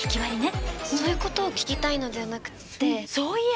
そういうことを聞きたいのではなくって。